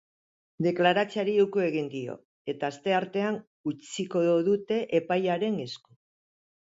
Deklaratzeari uko egin dio, eta asteartean utziko dute epailearen esku.